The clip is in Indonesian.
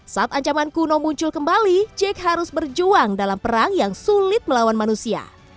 saat ancaman kuno muncul kembali jake harus berjuang dalam perang yang sulit melawan manusia